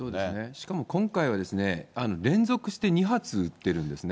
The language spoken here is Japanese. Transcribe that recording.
しかも今回は、連続して２発撃ってるんですね。